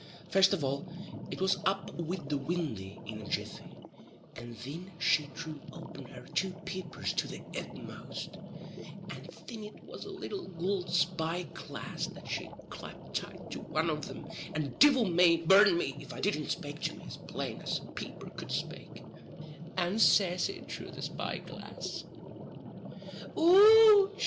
First of all it was up wid the windy in a jiffy, and thin she threw open her two peepers to the itmost, and thin it was a little gould spy glass that she clapped tight to one o' them and divil may burn me if it didn't spake to me as plain as a peeper cud spake, and says it, through the spy glass: "Och!